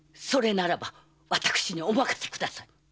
それならば私にお任せください！